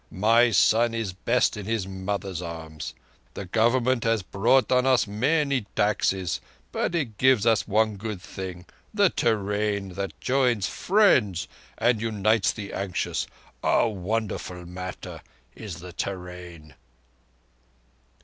My son is best in his mother's arms. The Government has brought on us many taxes, but it gives us one good thing—the te rain that joins friends and unites the anxious. A wonderful matter is the te rain."